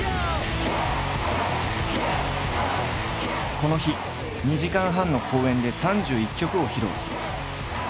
この日２時間半の公演で３１曲を披露。